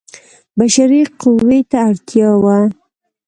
بشري قوې ته اړتیا وه.